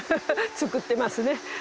造ってますね。